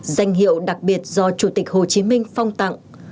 danh hiệu đặc biệt do chủ tịch hồ chí minh phong tặng